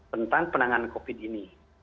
tentang penanganan covid ini